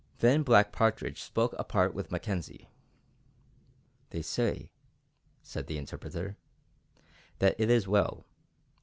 Then Black Partridge spoke apart with Mackenzie. "They say," said the interpreter, "that it is well.